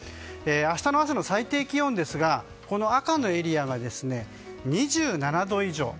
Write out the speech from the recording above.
明日の朝の最低気温ですが赤のエリアが２７度以上。